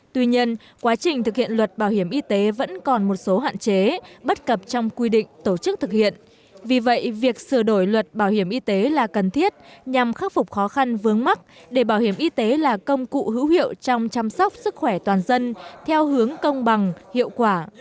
tuy nhiên quá trình thực hiện luật bảo hiểm y tế vẫn còn một số hạn chế bất cập trong quy định tổ chức thực hiện vì vậy việc sửa đổi luật bảo hiểm y tế là cần thiết nhằm khắc phục khó khăn vướng mắt để bảo hiểm y tế là công cụ hữu hiệu trong chăm sóc sức khỏe toàn dân theo hướng công bằng hiệu quả